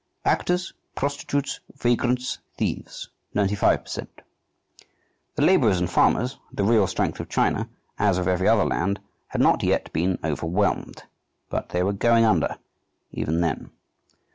actors, prostitutes, vagrants, thieves, ninety five per cent." The labourers and farmers, the real strength of China, as of every other land, had not yet been overwhelmed but they were going under, even then.